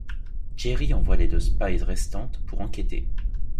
Jerry envoie les deux Spies restantes pour enquêter.